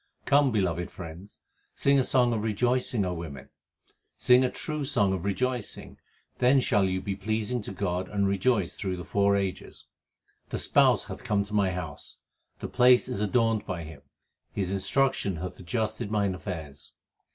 Come, beloved friends, Sing a song of rejoicing, O women. Sing a true song of rejoicing ; then shall you be pleasing to God and rejoice through the four ages. 2 The Spouse hath come to my house, the place is adorned by Him. His instruction hath adjusted mine affairs.